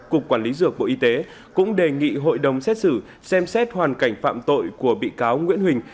cục quản lý dược bộ y tế cũng đề nghị hội đồng xét xử xem xét hoàn cảnh phạm tội của bị cáo nguyễn huỳnh